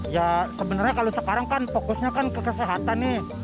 ya sebenarnya kalau sekarang kan fokusnya kan ke kesehatan nih